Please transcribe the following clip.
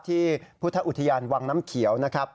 ที่พุทธอุทยานวังน้ำเขียวนะครับ